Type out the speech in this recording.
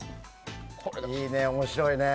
いいね、面白いね。